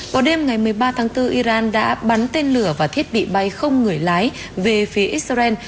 vào đêm ngày một mươi ba tháng bốn iran đã bắn tên lửa và thiết bị bay không người lái về phía israel